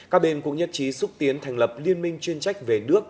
các bên cũng nhất trí xúc tiến thành lập liên minh chuyên trách về nước